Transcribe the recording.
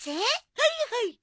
はいはい！